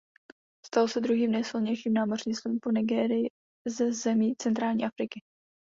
Stalo se druhým nejsilnějším námořnictvem po Nigérii ze zemí centrální Afriky.